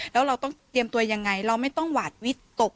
แล้วเราต้องเตรียมตัวยังไงเราไม่ต้องหวาดวิตก